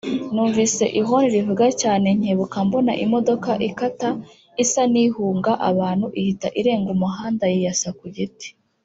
numvise ihoni rivuga cyane nkebuka mbona imodoka ikata isa n’ihunga abantu ihita irenga umuhanda yiyasa ku giti